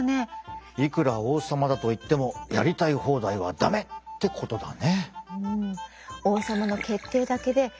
いくら王様だといってもやりたい放題は駄目ってことだね。